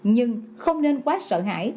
nhưng không nên quá sợ hãi